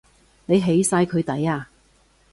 你起晒佢底呀？